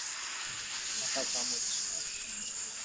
কাঁটা চামচ